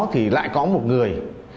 thì lại có một người